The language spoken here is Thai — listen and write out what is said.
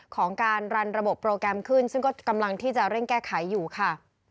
ของการรันระบบโปรแกรมขึ้นซึ่งก็กำลังที่จะเร่งแก้ไขอยู่ค่ะ